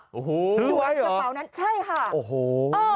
ซื้อไว้หรอใช่ค่ะโอ้โห